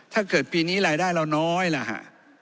ถ้าเกิดปีนี้รายได้เราน้อยล่ะฮะ